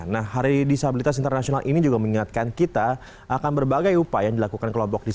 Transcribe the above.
nah hari disabilitas internasional ini juga mengingatkan kita akan berbagai upaya yang dilakukan kelompok di sana